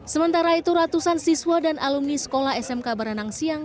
sementara itu ratusan siswa dan alumni sekolah smk berenang siang